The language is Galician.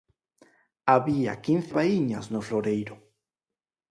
Había quince vaíñas no floreiro.